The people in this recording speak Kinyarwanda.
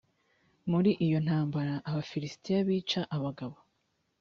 muri iyo ntambara abafilisitiya bica abagabo